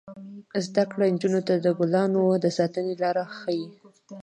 زده کړه نجونو ته د ګلانو د ساتنې لارې ښيي.